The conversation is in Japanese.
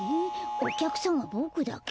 おきゃくさんはボクだけ？